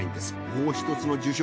もう１つの受賞